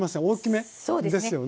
大きめですよね。